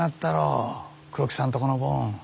黒木さんとこのボン。